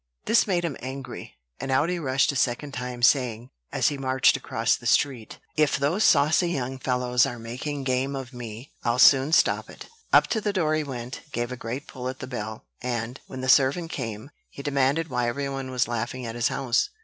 This made him angry; and out he rushed a second time, saying, as he marched across the street: "If those saucy young fellows are making game of me, I'll soon stop it." Up to the door he went, gave a great pull at the bell, and, when the servant came, he demanded why every one was laughing at his house.